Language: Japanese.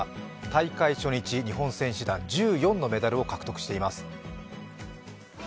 大会初日、日本選手団、１４のメダルを獲得しています。